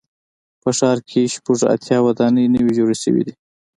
په ښار کې شپږ اتیا ودانۍ نوي جوړې شوې دي.